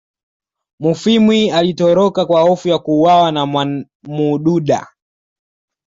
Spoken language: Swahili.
Mufwimi alitoroka kwa hofu ya kuuawa na Mwamududa